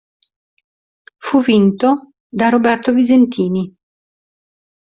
Fu vinto da Roberto Visentini.